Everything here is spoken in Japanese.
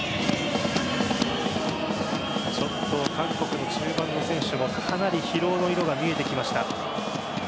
ちょっと韓国の中盤の選手もかなり疲労の色が見えてきました。